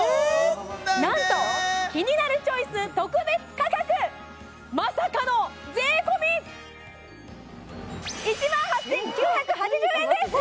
なんとキニナルチョイス特別価格まさかの税込１万８９８０円です！